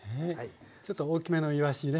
ちょっと大きめのいわしね